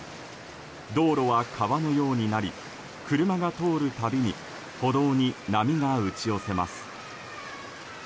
道路は川のようになり車が通るたびに歩道に波が打ち寄せます。